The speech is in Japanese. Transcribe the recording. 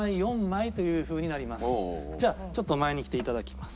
じゃあちょっと前に来ていただきます。